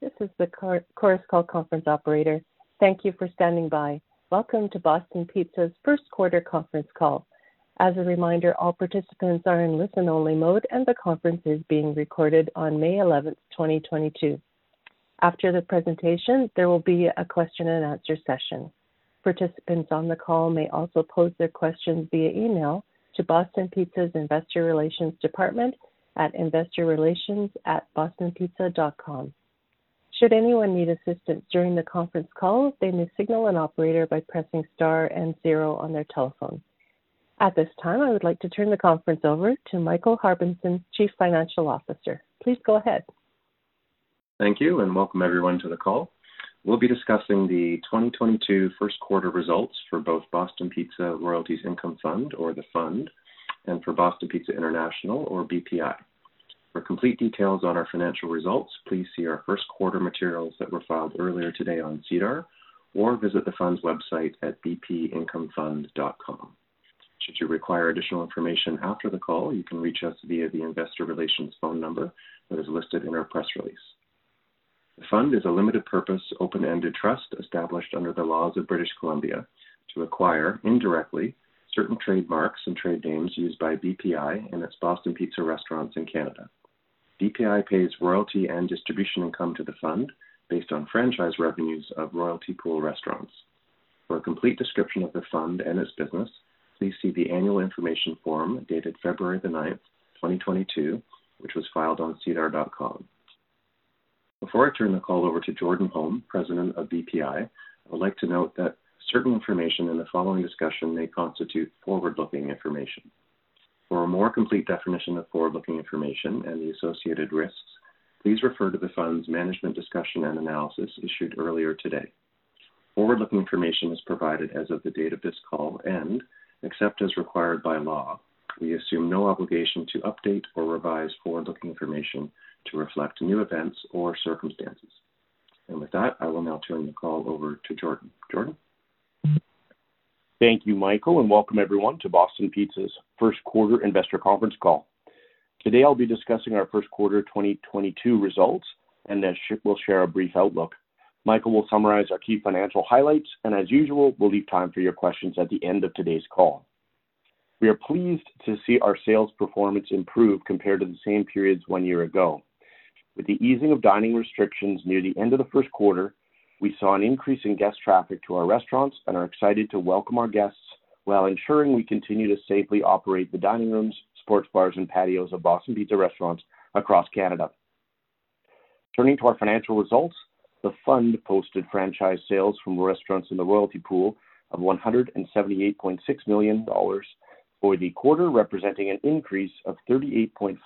Hello, this is the conference call operator. Thank you for standing by. Welcome to Boston Pizza's Q1 conference call. As a reminder, all participants are in listen-only mode, and the conference is being recorded on May 11, 2022. After the presentation, there will be a question and answer session. Participants on the call may also pose their questions via email to Boston Pizza's Investor Relations Department at investorrelations@bostonpizza.com. Should anyone need assistance during the conference call, they may signal an operator by pressing star and zero on their telephone. At this time, I would like to turn the conference over to Michael Harbinson, Chief Financial Officer. Please go ahead. Thank you, and welcome everyone to the call. We'll be discussing the 2022 Q1 results for both Boston Pizza Royalties Income Fund, or the Fund, and for Boston Pizza International, or BPI. For complete details on our financial results, please see our Q1 materials that were filed earlier today on SEDAR or visit the Fund's website at bpincomefund.com. Should you require additional information after the call, you can reach us via the investor relations phone number that is listed in our press release. The Fund is a limited purpose, open-ended trust established under the laws of British Columbia to acquire, indirectly, certain trademarks and trade names used by BPI and its Boston Pizza restaurants in Canada. BPI pays royalty and distribution income to the Fund based on franchise revenues of royalty pool restaurants. For a complete description of the Fund and its business, please see the annual information form dated February the 9th, 2022, which was filed on sedar.com. Before I turn the call over to Jordan Holm, President of BPI, I would like to note that certain information in the following discussion may constitute forward-looking information. For a more complete definition of forward-looking information and the associated risks, please refer to the Fund's management discussion and analysis issued earlier today. Forward-looking information is provided as of the date of this call, and except as required by law, we assume no obligation to update or revise forward-looking information to reflect new events or circumstances. With that, I will now turn the call over to Jordan. Jordan? Thank you, Michael, and welcome everyone to Boston Pizza's Q1 investor conference call. Today I'll be discussing our Q1 2022 results, and then we'll share a brief outlook. Michael will summarize our key financial highlights, and as usual, we'll leave time for your questions at the end of today's call. We are pleased to see our sales performance improve compared to the same periods 1 year ago. With the easing of dining restrictions near the end of the Q1, we saw an increase in guest traffic to our restaurants and are excited to welcome our guests while ensuring we continue to safely operate the dining rooms, sports bars, and patios of Boston Pizza restaurants across Canada. Turning to our financial results, the Fund posted franchise sales from restaurants in the royalty pool of 178.6 million dollars for the quarter, representing an increase of 38.5%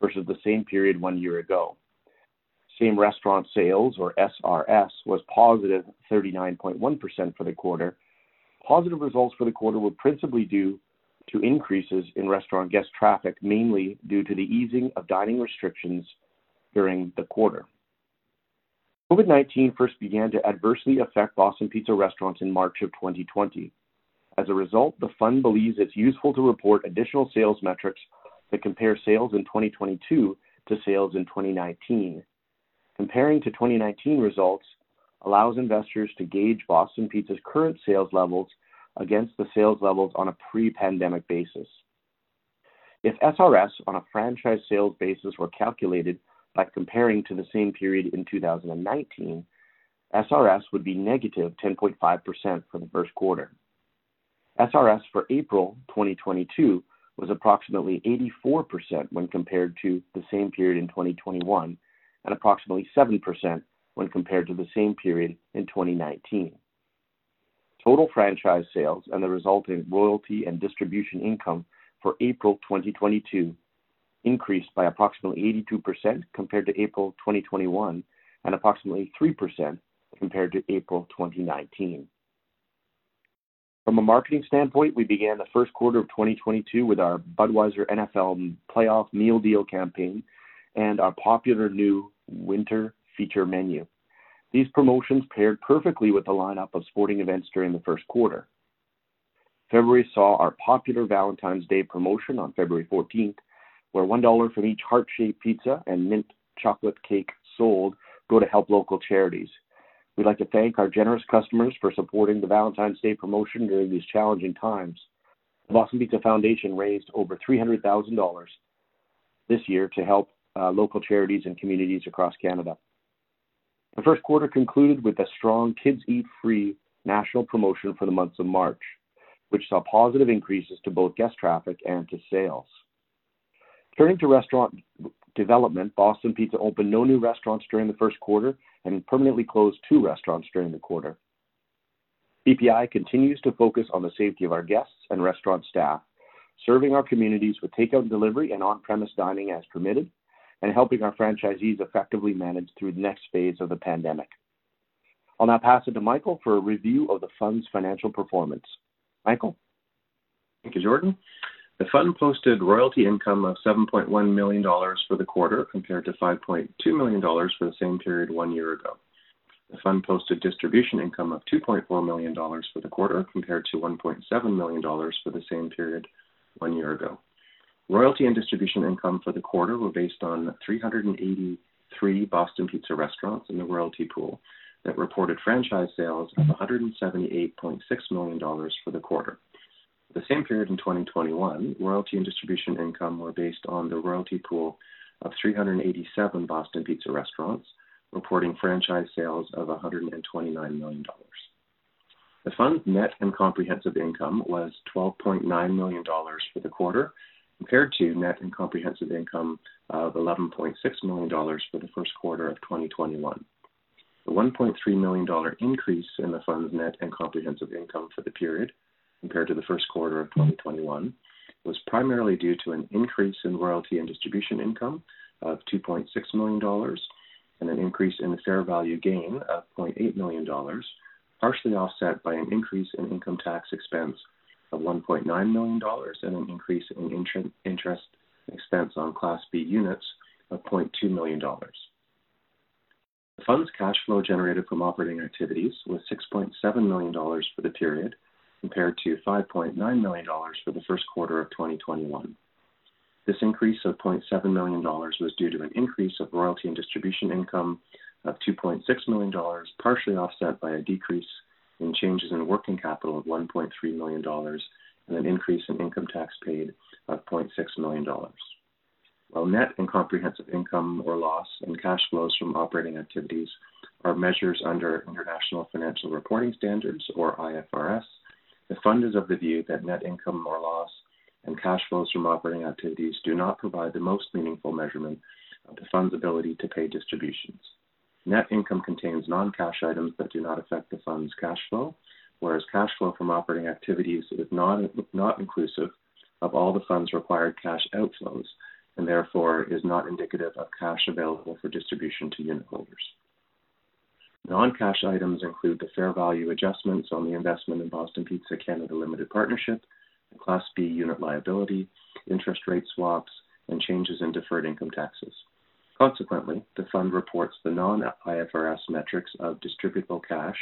versus the same period 1 year ago. Same restaurant sales, or SRS, was positive 39.1% for the quarter. Positive results for the quarter were principally due to increases in restaurant guest traffic, mainly due to the easing of dining restrictions during the quarter. COVID-19 first began to adversely affect Boston Pizza restaurants in March of 2020. As a result, the Fund believes it's useful to report additional sales metrics that compare sales in 2022 to sales in 2019. Comparing to 2019 results allows investors to gauge Boston Pizza's current sales levels against the sales levels on a pre-pandemic basis. If SRS on a franchise sales basis were calculated by comparing to the same period in 2019, SRS would be -10.5% for the Q1. SRS for April 2022 was approximately 84% when compared to the same period in 2021, and approximately 70% when compared to the same period in 2019. Total franchise sales and the resulting royalty and distribution income for April 2022 increased by approximately 82% compared to April 2021, and approximately 3% compared to April 2019. From a marketing standpoint, we began the Q1 of 2022 with our Budweiser NFL Playoff Meal Deal campaign and our popular new winter feature menu. These promotions paired perfectly with the lineup of sporting events during the Q1. February saw our popular Valentine's Day promotion on February 14th, where 1 dollar from each heart-shaped pizza and mint chocolate cake sold go to help local charities. We'd like to thank our generous customers for supporting the Valentine's Day promotion during these challenging times. The Boston Pizza Foundation raised over 300000 dollars this year to help local charities and communities across Canada. The Q1 concluded with a strong Kids Eat Free national promotion for the month of March, which saw positive increases to both guest traffic and to sales. Turning to restaurant development, Boston Pizza opened no new restaurants during the Q1 and permanently closed 2 restaurants during the quarter. BPI continues to focus on the safety of our guests and restaurant staff, serving our communities with takeout and delivery and on-premise dining as permitted, and helping our franchisees effectively manage through the next phase of the pandemic. I'll now pass it to Michael for a review of the Fund's financial performance. Michael? Thank you, Jordan. The Fund posted royalty income of 7.1 million dollars for the quarter, compared to 5.2 million dollars for the same period 1 year ago. The Fund posted distribution income of 2.4 million dollars for the quarter compared to 1.7 million dollars for the same period 1 year ago. Royalty and distribution income for the quarter were based on 383 Boston Pizza restaurants in the royalty pool that reported franchise sales of 178.6 million dollars for the quarter. The same period in 2021, royalty and distribution income were based on the royalty pool of 387 Boston Pizza restaurants, reporting franchise sales of 129 million dollars. The fund's net comprehensive income was 12.9 million dollars for the quarter compared to net comprehensive income of 11.6 million dollars for the Q1 of 2021. The 1.3 million dollar increase in the fund's net and comprehensive income for the period compared to the Q1 of 2021 was primarily due to an increase in royalty and distribution income of 2.6 million dollars and an increase in the fair value gain of 0.8 million dollars, partially offset by an increase in income tax expense of 1.9 million dollars and an increase in interest expense on Class B Units of 0.2 million dollars. The fund's cash flow generated from operating activities was 6.7 million dollars for the period, compared to 5.9 million dollars for the Q1 of 2021. This increase of 0.7 million dollars was due to an increase of royalty and distribution income of 2.6 million dollars, partially offset by a decrease in changes in working capital of 1.3 million dollars and an increase in income tax paid of 0.6 million dollars. While net and comprehensive income or loss and cash flows from operating activities are measures under International Financial Reporting Standards or IFRS, the fund is of the view that net income or loss and cash flows from operating activities do not provide the most meaningful measurement of the fund's ability to pay distributions. Net income contains non-cash items that do not affect the fund's cash flow, whereas cash flow from operating activities is not inclusive of all the fund's required cash outflows, and therefore is not indicative of cash available for distribution to unitholders. Non-cash items include the fair value adjustments on the investment in Boston Pizza Canada Limited Partnership, the Class B unit liability, interest rate swaps, and changes in deferred income taxes. Consequently, the fund reports the non-IFRS metrics of distributable cash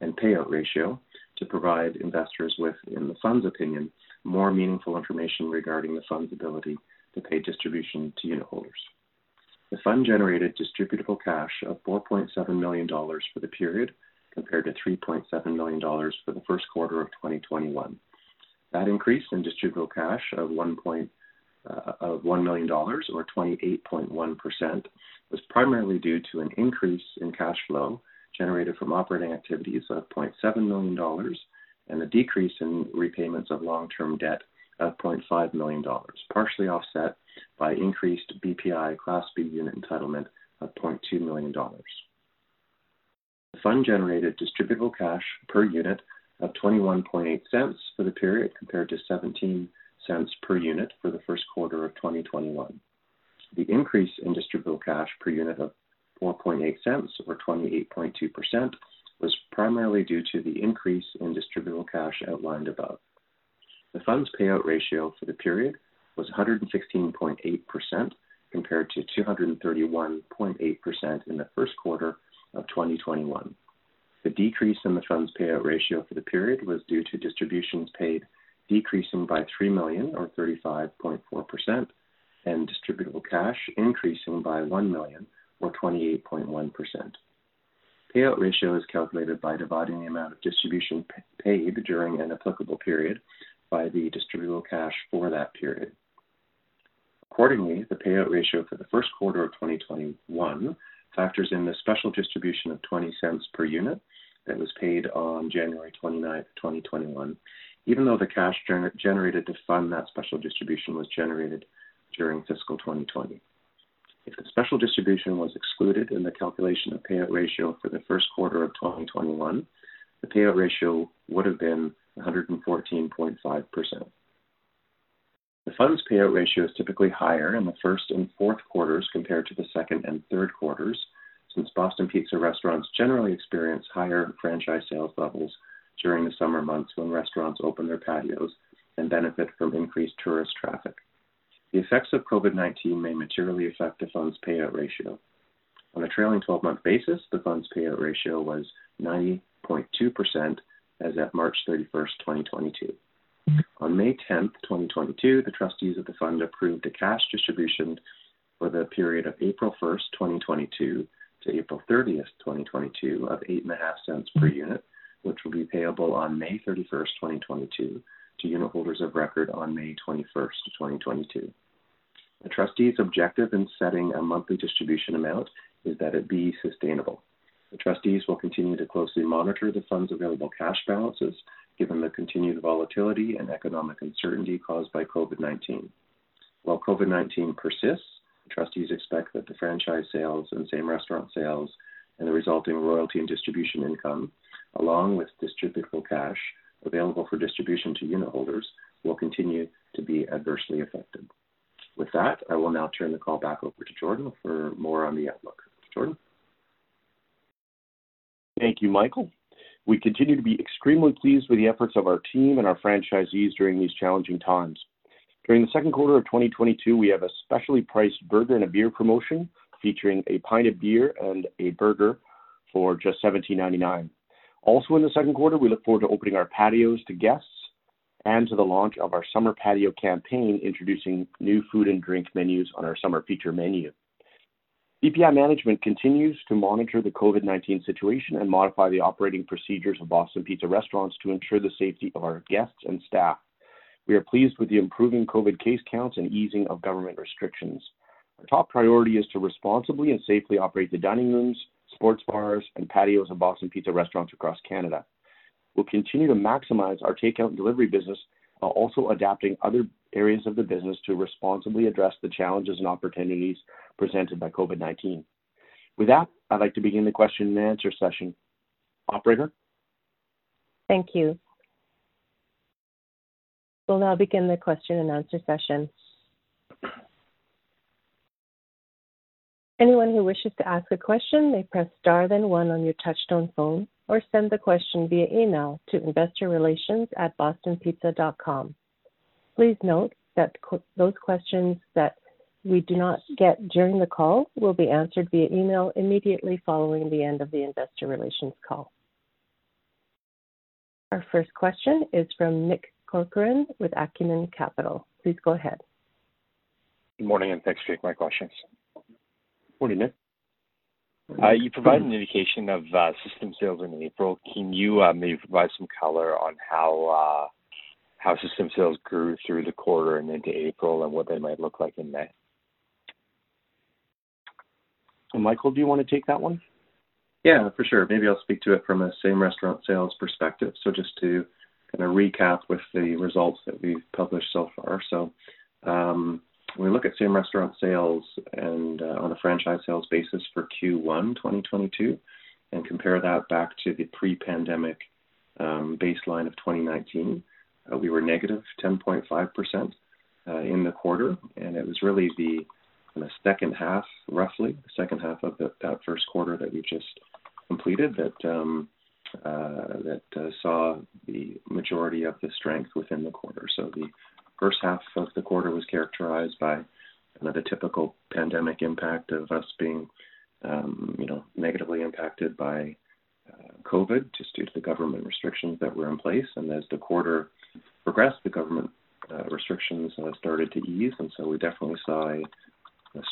and payout ratio to provide investors with, in the fund's opinion, more meaningful information regarding the fund's ability to pay distribution to unitholders. The fund generated distributable cash of 4.7 million dollars for the period, compared to 3.7 million dollars for the Q1 of 2021. That increase in distributable cash of 1 million dollars or 28.1% was primarily due to an increase in cash flow generated from operating activities of 0.7 million dollars and a decrease in repayments of long-term debt of 0.5 million dollars, partially offset by increased BPI Class B Units entitlement of 0.2 million dollars. The fund generated distributable cash per unit of 0.218 for the period, compared to 0.17 per unit for the Q1 of 2021. The increase in distributable cash per unit of 0.048 or 28.2% was primarily due to the increase in distributable cash outlined above. The fund's payout ratio for the period was 116.8% compared to 231.8% in the Q1 of 2021. The decrease in the fund's Payout Ratio for the period was due to distributions paid decreasing by 3 million or 35.4% and Distributable Cash increasing by 1 million or 28.1%. Payout Ratio is calculated by dividing the amount of distribution paid during an applicable period by the Distributable Cash for that period. Accordingly, the Payout Ratio for the Q1 of 2021 factors in the special distribution of 0.20 per unit that was paid on January 29th, 2021. Even though the cash generated to fund that special distribution was generated during fiscal 2020. If the special distribution was excluded in the calculation of Payout Ratio for the Q1 of 2021, the Payout Ratio would have been 114.5%. The fund's payout ratio is typically higher in the first and Q4 compared to the Q2 and Q3, since Boston Pizza restaurants generally experience higher franchise sales levels during the summer months when restaurants open their patios and benefit from increased tourist traffic. The effects of COVID-19 may materially affect the fund's payout ratio. On a trailing 12-month basis, the fund's payout ratio was 90.2% as at March 31, 2022. On May 10, 2022, the trustees of the fund approved a cash distribution for the period of April 1, 2022 to April 30, 2022 of 0.085 per unit, which will be payable on May 31, 2022 to unitholders of record on May 21, 2022. The trustees' objective in setting a monthly distribution amount is that it be sustainable. The trustees will continue to closely monitor the fund's available cash balances given the continued volatility and economic uncertainty caused by COVID-19. While COVID-19 persists, the trustees expect that the franchise sales and same-restaurant sales and the resulting royalty and distribution income, along with distributable cash available for distribution to unitholders, will continue to be adversely affected. With that, I will now turn the call back over to Jordan for more on the outlook. Jordan? Thank you, Michael. We continue to be extremely pleased with the efforts of our team and our franchisees during these challenging times. During the Q2 of 2022, we have a specially priced burger and a beer promotion featuring a pint of beer and a burger for just 17.99. Also in the Q2, we look forward to opening our patios to guests and to the launch of our summer patio campaign, introducing new food and drink menus on our summer feature menu. BPI management continues to monitor the COVID-19 situation and modify the operating procedures of Boston Pizza restaurants to ensure the safety of our guests and staff. We are pleased with the improving COVID case counts and easing of government restrictions. Our top priority is to responsibly and safely operate the dining rooms, sports bars, and patios of Boston Pizza restaurants across Canada. We'll continue to maximize our takeout and delivery business while also adapting other areas of the business to responsibly address the challenges and opportunities presented by COVID-19. With that, I'd like to begin the question and answer session. Operator? Thank you. We'll now begin the question and answer session. Anyone who wishes to ask a question, may press star then 1 on your touchtone phone or send the question via email to investorrelations@bostonpizza.com. Please note that those questions that we do not get during the call will be answered via email immediately following the end of the investor relations call. Our first question is from Nick Corcoran with Acumen Capital Partners. Please go ahead. Good morning, and thanks for taking my questions. Morning, Nick. You provided an indication of system sales in April. Can you maybe provide some color on how system sales grew through the quarter and into April and what they might look like in May? Michael, do you wanna take that one? Yeah, for sure. Maybe I'll speak to it from a same-restaurant sales perspective. Just to kind of recap with the results that we've published so far. When we look at same-restaurant sales and on a franchise sales basis for Q1 2022 and compare that back to the pre-pandemic baseline of 2019, we were negative 10.5% in the quarter, and it was really in the H2, roughly, of that Q1 that we just completed that saw the majority of the strength within the quarter. The H1 of the quarter was characterized by another typical pandemic impact of us being, you know, negatively impacted by COVID, just due to the government restrictions that were in place. As the quarter progressed, the government restrictions started to ease. We definitely saw a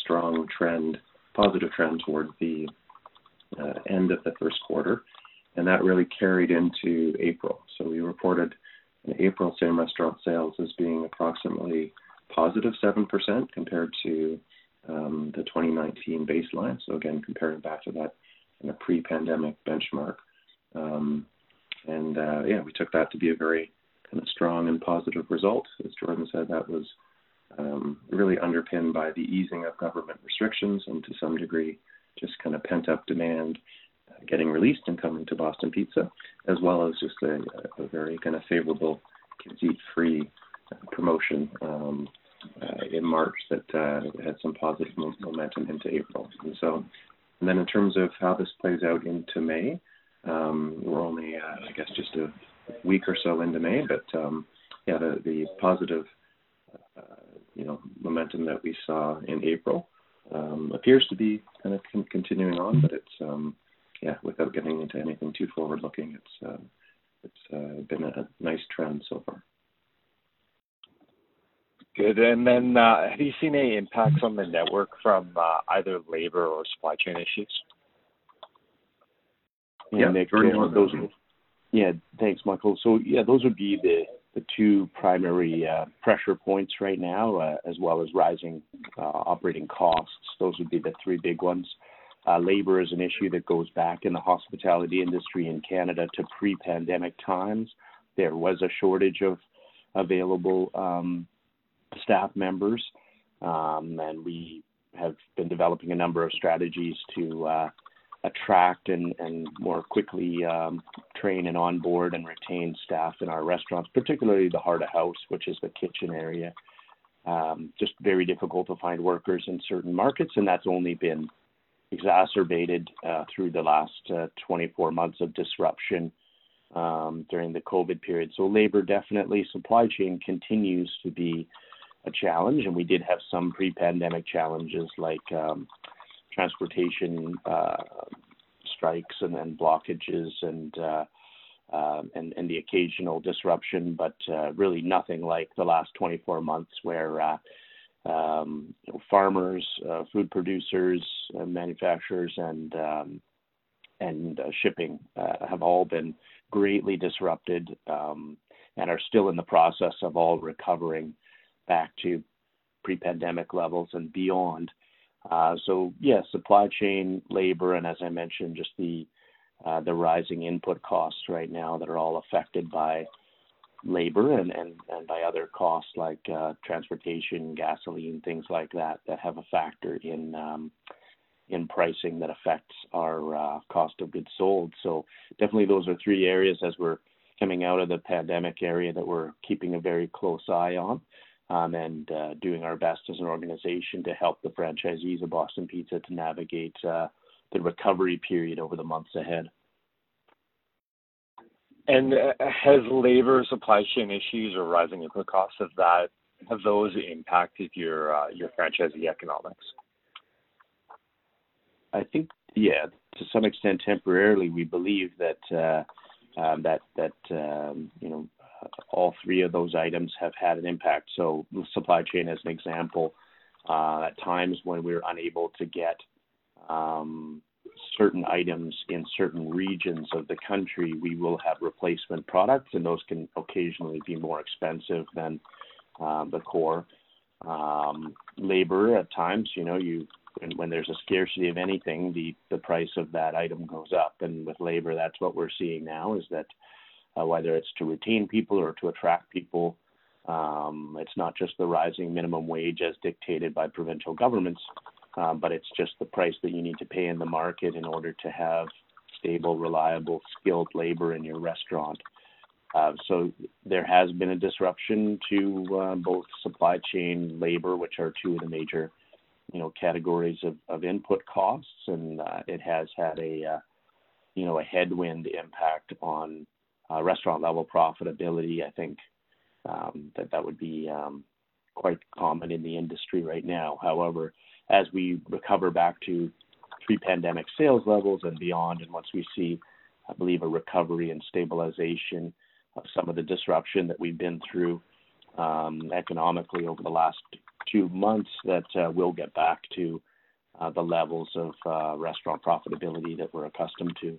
strong trend, positive trend towards the end of the Q1, and that really carried into April. We reported April Same Restaurant Sales as being approximately positive 7% compared to the 2019 baseline. Again, comparing back to that in a pre-pandemic benchmark. We took that to be a very kind of strong and positive result. As Jordan said, that was really underpinned by the easing of government restrictions and to some degree, just kinda pent-up demand getting released and coming to Boston Pizza, as well as just a very kinda favorable Kids Eat Free promotion in March that had some positive momentum into April. In terms of how this plays out into May, we're only, I guess, just a week or so into May, but yeah, the positive, you know, momentum that we saw in April appears to be kind of continuing on. It's yeah, without getting into anything too forward-looking, it's been a nice trend so far. Good. Have you seen any impact on the network from either labour or supply chain issues? Yeah, very much those. Yeah. Thanks, Michael. Yeah, those would be the 2 primary pressure points right now, as well as rising operating costs. Those would be the 3 big ones. Labour is an issue that goes back in the hospitality industry in Canada to pre-pandemic times. There was a shortage of available staff members, and we have been developing a number of strategies to attract and more quickly train and onboard and retain staff in our restaurants, particularly the heart of house, which is the kitchen area. Just very difficult to find workers in certain markets, and that's only been exacerbated through the last 24 months of disruption during the COVID period. Labour, definitely. Supply chain continues to be a challenge. We did have some pre-pandemic challenges like transportation strikes and blockages and the occasional disruption, but really nothing like the last 24 months where farmers food producers manufacturers and shipping have all been greatly disrupted and are still in the process of all recovering back to pre-pandemic levels and beyond. Yeah, supply chain, labour, and as I mentioned, just the rising input costs right now that are all affected by labour and by other costs like transportation, gasoline, things like that have a factor in pricing that affects our cost of goods sold. Definitely those are 3 areas as we're coming out of the pandemic era that we're keeping a very close eye on, and doing our best as an organization to help the franchisees of Boston Pizza to navigate the recovery period over the months ahead. Has labour supply chain issues or rising input costs of that, have those impacted your franchisee economics? I think, yeah, to some extent, temporarily, we believe that, you know, all 3 of those items have had an impact. Supply chain, as an example, at times when we're unable to get certain items in certain regions of the country, we will have replacement products, and those can occasionally be more expensive than the core. Labour, at times, you know, when there's a scarcity of anything, the price of that item goes up. With labour, that's what we're seeing now, is that whether it's to retain people or to attract people, it's not just the rising minimum wage as dictated by provincial governments, but it's just the price that you need to pay in the market in order to have stable, reliable, skilled labour in your restaurant. There has been a disruption to both supply chain labour, which are 2 of the major, you know, categories of input costs. It has had a, you know, a headwind impact on restaurant-level profitability. I think that would be quite common in the industry right now. However, as we recover back to pre-pandemic sales levels and beyond, and once we see, I believe, a recovery and stabilization of some of the disruption that we've been through economically over the last 2 months, that we'll get back to the levels of restaurant profitability that we're accustomed to.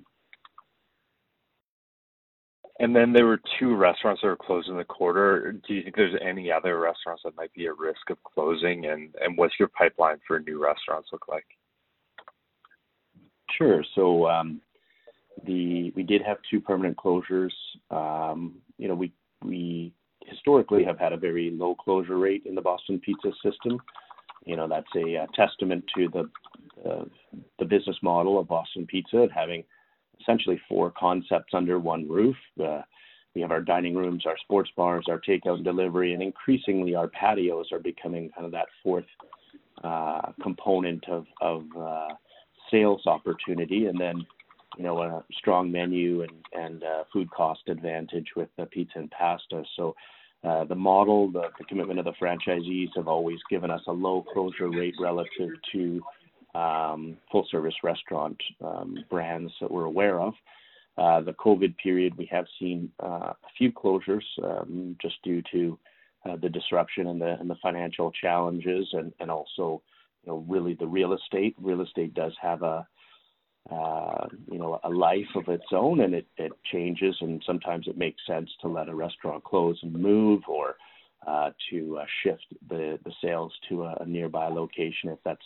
Then there were 2 restaurants that were closed in the quarter. Do you think there's any other restaurants that might be at risk of closing? And what's your pipeline for new restaurants look like? Sure. We did have 2 permanent closures. You know, we historically have had a very low closure rate in the Boston Pizza system. You know, that's a testament to the business model of Boston Pizza, having essentially 4 concepts under 1 roof. We have our dining rooms, our sports bars, our takeout and delivery, and increasingly our patios are becoming kind of that fourth component of sales opportunity. You know, a strong menu and food cost advantage with the pizza and pasta. The model, the commitment of the franchisees have always given us a low closure rate relative to full-service restaurant brands that we're aware of. The COVID period, we have seen a few closures just due to the disruption and the financial challenges and also, you know, really the real estate. Real estate does have a life of its own and it changes, and sometimes it makes sense to let a restaurant close and move or to shift the sales to a nearby location if that's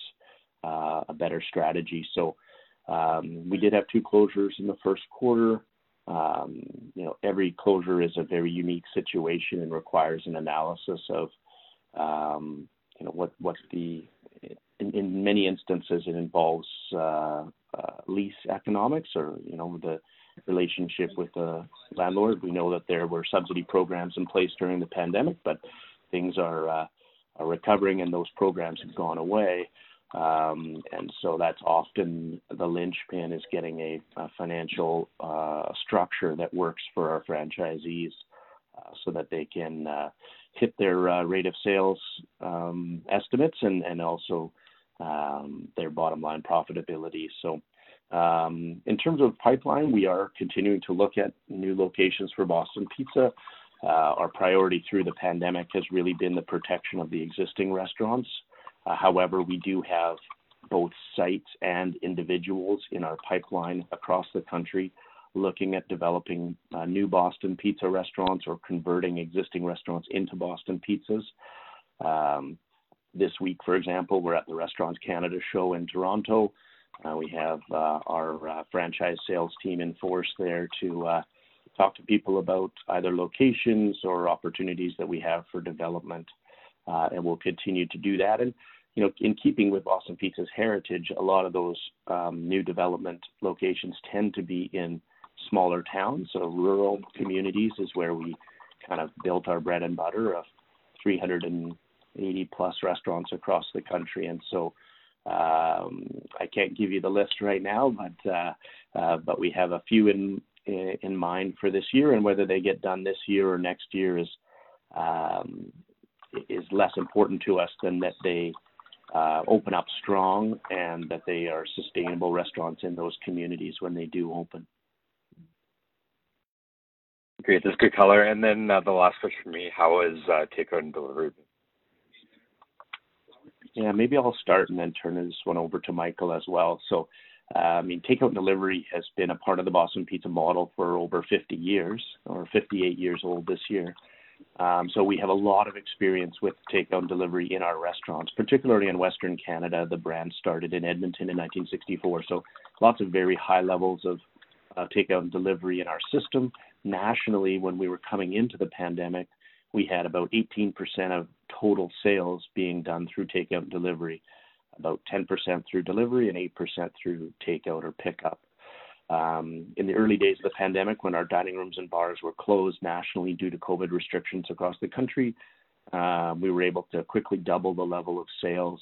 a better strategy. We did have 2 closures in the Q1. Every closure is a very unique situation and requires an analysis of. In many instances, it involves lease economics or, you know, the relationship with the landlord. We know that there were subsidy programs in place during the pandemic, but things are recovering and those programs have gone away. That's often the linchpin is getting a financial structure that works for our franchisees, so that they can hit their rate of sales estimates and also their bottom line profitability. In terms of pipeline, we are continuing to look at new locations for Boston Pizza. Our priority through the pandemic has really been the protection of the existing restaurants. However, we do have both sites and individuals in our pipeline across the country looking at developing new Boston Pizza restaurants or converting existing restaurants into Boston Pizzas. This week, for example, we're at the Restaurants Canada Show in Toronto. We have our franchise sales team in force there to talk to people about either locations or opportunities that we have for development, and we'll continue to do that. You know, in keeping with Boston Pizza's heritage, a lot of those new development locations tend to be in smaller towns. Rural communities is where we kind of built our bread and butter of 380+ restaurants across the country. I can't give you the list right now, but we have a few in mind for this year. Whether they get done this year or next year is less important to us than that they open up strong and that they are sustainable restaurants in those communities when they do open. Great. That's good color. The last question from me, how is takeout and delivery? Yeah, maybe I'll start and then turn this 1 over to Michael as well. I mean, takeout and delivery has been a part of the Boston Pizza model for over 50 years, or 58 years old this year. We have a lot of experience with takeout and delivery in our restaurants, particularly in Western Canada. The brand started in Edmonton in 1964. Lots of very high levels of takeout and delivery in our system. Nationally, when we were coming into the pandemic, we had about 18% of total sales being done through takeout and delivery, about 10% through delivery and 8% through takeout or pickup. In the early days of the pandemic, when our dining rooms and bars were closed nationally due to COVID restrictions across the country, we were able to quickly double the level of sales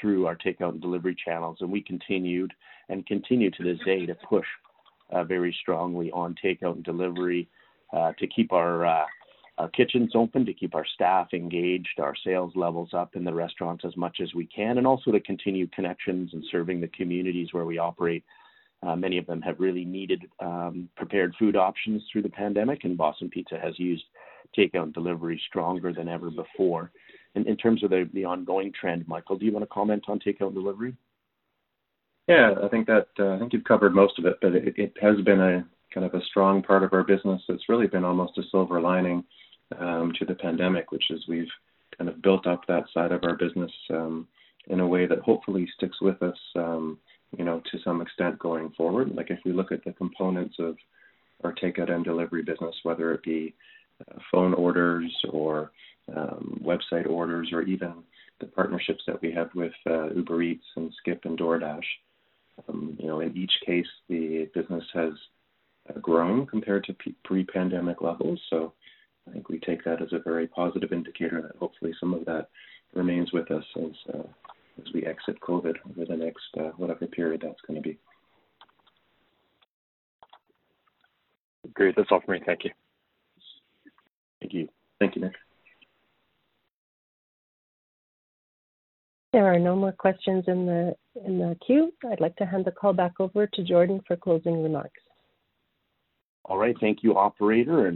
through our takeout and delivery channels, and we continued and continue to this day to push very strongly on takeout and delivery to keep our kitchens open, to keep our staff engaged, our sales levels up in the restaurants as much as we can, and also to continue connections and serving the communities where we operate. Many of them have really needed prepared food options through the pandemic, and Boston Pizza has used takeout and delivery stronger than ever before. In terms of the ongoing trend, Michael, do you wanna comment on takeout and delivery? Yeah. I think you've covered most of it, but it has been a kind of a strong part of our business that's really been almost a silver lining to the pandemic, which is we've kind of built up that side of our business in a way that hopefully sticks with us, you know, to some extent going forward. Like, if we look at the components of our takeout and delivery business, whether it be phone orders or website orders or even the partnerships that we have with Uber Eats and SkipTheDishes and DoorDash, you know, in each case, the business has grown compared to pre-pandemic levels. I think we take that as a very positive indicator that hopefully some of that remains with us as we exit COVID over the next, whatever period that's going to be. Great. That's all for me. Thank you. Thank you. Thank you, Nick. There are no more questions in the queue. I'd like to hand the call back over to Jordan for closing remarks. All right. Thank you, operator.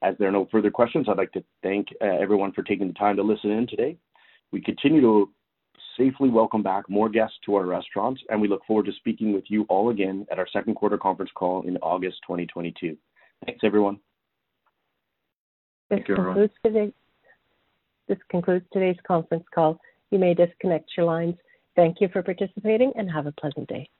As there are no further questions, I'd like to thank everyone for taking the time to listen in today. We continue to safely welcome back more guests to our restaurants, and we look forward to speaking with you all again at our Q2 conference call in August 2022. Thanks, everyone. Thank you, everyone. This concludes today's conference call. You may disconnect your lines. Thank you for participating, and have a pleasant day.